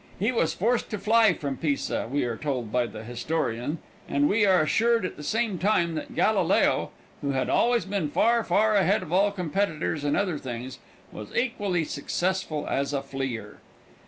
He was forced to fly from Pisa, we are told by the historian, and we are assured at the same time that Galileo, who had always been far, far ahead of all competitors in other things, was equally successful as a fleer.